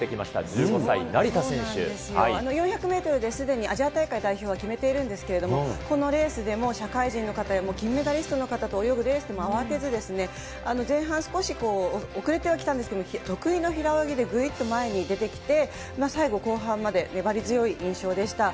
そうなんですよ、４００メートルですでにアジア大会代表は決めているんですけれども、このレースでも社会人の方や金メダリストの方と泳ぐレースでも慌てず、前半、少し遅れてはきたんですけれども、得意の平泳ぎでぐいっと前に出てきて、最後、後半まで粘り強い印象でした。